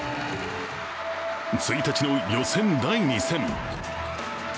１日の予選第２戦。